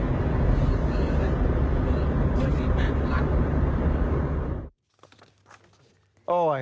มันมีสีแปรร้าท